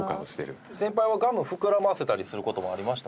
先輩はガム膨らませたりする事ありました？